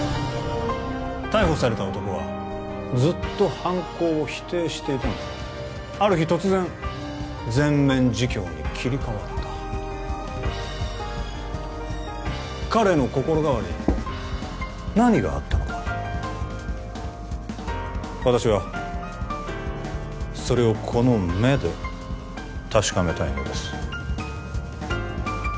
逮捕された男はずっと犯行を否定していたのにある日突然全面自供に切り替わった彼の心変わりに何があったのか私はそれをこの目で確かめたいのです